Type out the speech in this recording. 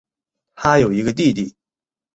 她有一个弟弟。